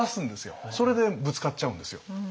それでぶつかっちゃうんですよ。